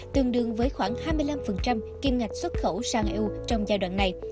tương đương với khoảng hai mươi năm kim ngạch xuất khẩu sang eu trong giai đoạn này